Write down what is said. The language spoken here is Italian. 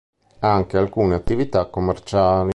Ha anche alcune attività commerciali.